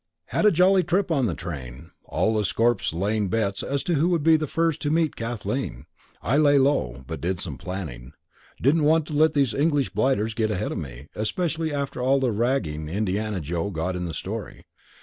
Had a jolly trip on the train, all the Scorps laying bets as to who would be first to meet Kathleen. I lay low, but did some planning. Didn't want to let these English blighters get ahead of me, especially after all the ragging Indiana Joe got in the story.